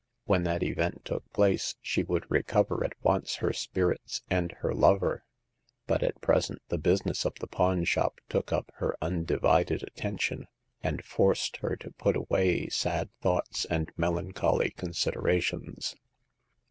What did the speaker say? When that event took place she would jrecover at once her spirits and her lover ; but at present the business of the pawn shop took up her undivided attention, and forced her to put away sad thoughts and melancholy considera tions.